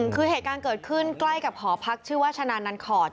คือเหตุการณ์เกิดขึ้นใกล้กับหอพักชื่อว่าชนะนันคอร์ด